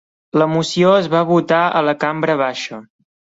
La moció es va votar a la cambra baixa.